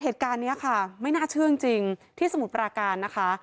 เหตุการณ์นี้ค่ะไม่น่าเชื่อจริงที่สมุทรปราการนะคะ